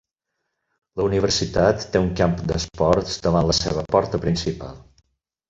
La universitat té un camp d'esports davant la seva porta principal.